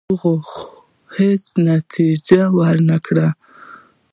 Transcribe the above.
دغو هڅو نتیجه ور نه کړه.